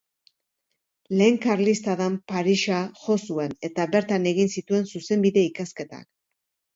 Lehen karlistadan Parisa jo zuen eta bertan egin zituen zuzenbide-ikasketak.